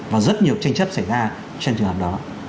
và rất nhiều tranh chấp xảy ra trên trường hợp đó